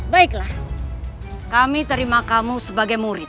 baiklah kami terima kamu sebagai murid